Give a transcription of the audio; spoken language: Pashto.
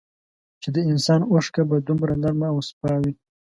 چي د انسان اوښکه به دومره نرمه او سپا وې